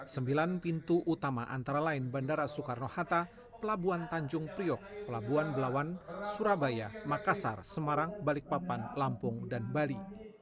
sembilan pintu utama antara lain bandara soekarno hatta pelabuhan tanjung priok pelabuhan belawan surabaya makassar semarang balikpapan lampung dan bali